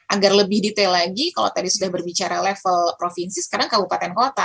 agar lebih detail lagi kalau tadi sudah berbicara level provinsi sekarang kabupaten kota